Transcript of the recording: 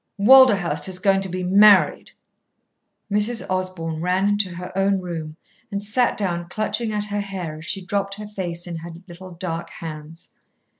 "Walderhurst is going to be married!" Mrs. Osborn ran into her own room and sat down clutching at her hair as she dropped her face in her little dark hands.